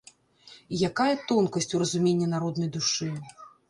І якая тонкасць у разуменні народнай душы!